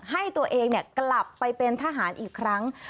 ให้ตัวเองกลับไปเป็นทหารอีกครั้ง